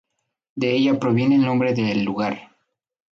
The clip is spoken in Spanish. De ella proviene el nombre del lugar.